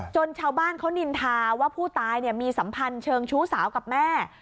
ชาวบ้านเขานินทาว่าผู้ตายมีสัมพันธ์เชิงชู้สาวกับแม่